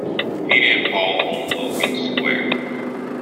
Peter and Paul on Logan Square.